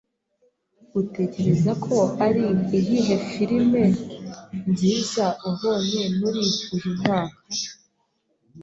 Utekereza ko ari iyihe filime nziza wabonye muri uyu mwaka?